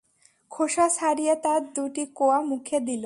খোসা ছাড়িয়ে তার দুটি কোয়া মুখে দিল।